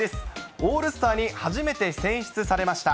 オールスターに初めて選出されました。